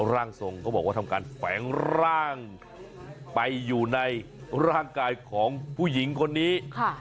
ร่างทรงก็บอกว่าทำการแฝงร่างไปอยู่ในร่างกายของผู้หญิงคนนี้